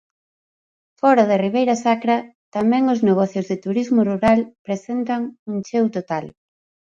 Fóra da Ribeira Sacra tamén os negocios de turismo rural presentan un cheo total.